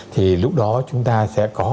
thì lúc đó chúng ta sẽ có